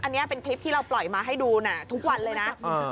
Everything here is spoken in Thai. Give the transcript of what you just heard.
อันนี้เป็นคลิปที่เราปล่อยมาให้ดูนะทุกวันเลยนะ